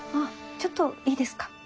ちょっといいですか？